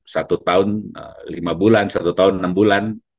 satu tahun lima bulan satu tahun enam bulan